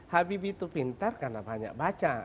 habibie itu pintar karena banyak baca